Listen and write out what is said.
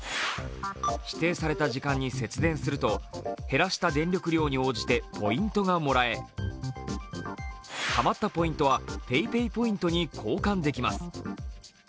指定された時間に節電すると減らした電力量に応じてポイントがもらえ、たまったポイントはＰａｙＰａｙポイントに交換できます。